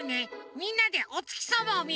みんなでおつきさまをみるの。